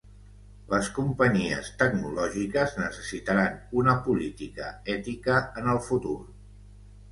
Les companyies tecnològiques necessitaran una política ètica en el futur.